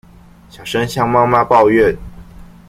小聲向媽媽抱怨